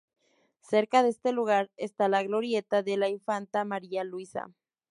Cerca de este lugar está la glorieta de la Infanta María Luisa.